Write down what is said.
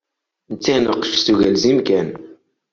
Netta ineqqec s ugelzim kan.